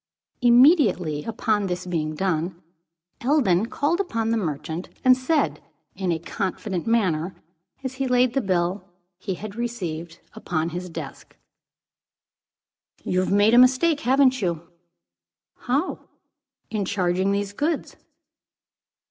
Immediately upon this being done, Eldon called upon the merchant and said, in a confident manner, as he laid the bill he had received upon his desk. "You've made a mistake, haven't you?" "How?" "In charging these goods."